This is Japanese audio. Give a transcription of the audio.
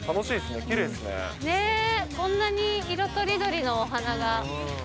ねえ、こんなに色とりどりのお花が。